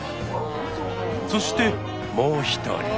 そしてもう一人。